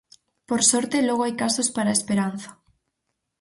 Por sorte logo hai casos para a esperanza.